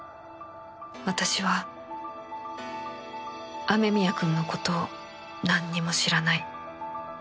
私は雨宮くんの事をなんにも知らない